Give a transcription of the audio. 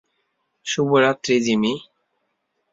শুভরাত্রি, জিমি।